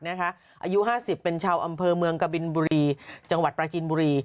อายุ๕๐เป็นชาวอำเภอเมืองกะบินบุรีจังหวัดปราจินบุรี